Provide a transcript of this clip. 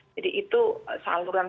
jadi itu saluran saluran